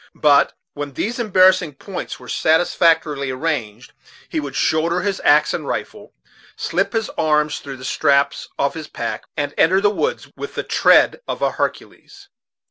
But, when these embarrassing points were satisfactorily arranged, he would shoulder his axe and his rifle, slip his arms through the straps of his pack, and enter the woods with the tread of a Hercules.